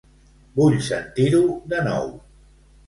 Vull sentir-ho de nou.